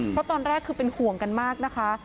เพราะตอนแรกคือเป็นห่วงกันมากนะคะ